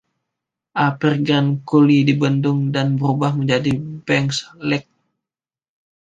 Upper Grand Coulee dibendung dan berubah menjadi Banks Lake.